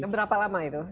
berapa lama itu